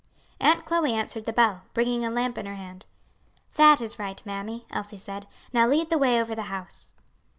Aunt Chloe answered the bell, bringing a lamp in her hand. "That is right, mammy," Elsie said. "Now lead the way over the house."